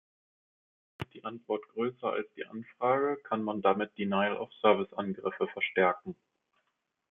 Ist die Antwort größer als die Anfrage, kann man damit Denial-of-Service-Angriffe verstärken.